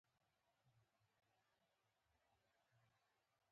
دوه ورځې وروسته رخصتي وه.